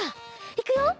いくよ。